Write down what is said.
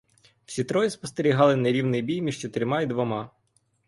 Всі троє спостерігали нерівний бій між чотирма і двома.